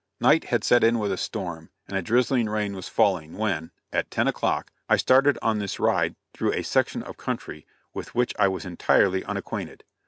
Night had set in with a storm, and a drizzling rain was falling when, at ten o'clock, I started on this ride through a section of country with which I was entirely unacquainted.